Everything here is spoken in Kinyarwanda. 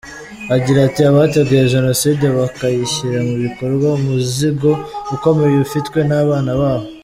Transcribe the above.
Agira ati “Abateguye Jenoside bakayishyira mu bikorwa, umuzigo ukomeye ufitwe n’abana babo.